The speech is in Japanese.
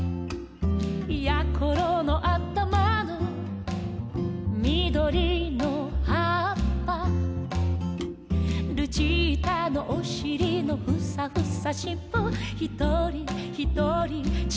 「やころのあたまのみどりのはっぱ」「ルチータのおしりのふさふさしっぽ」「ひとりひとりちがうもの」